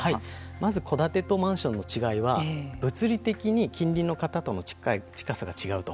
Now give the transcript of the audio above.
まず、戸建てとマンションの違いは物理的に近隣の方との近さが違うと。